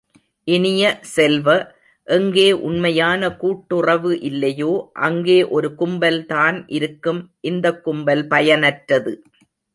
இனிய செல்வ, எங்கே உண்மையான கூட்டுறவு இல்லையோ, அங்கே ஒரு கும்பல்தான் இருக்கும், இந்தக் கும்பல் பயனற்றது!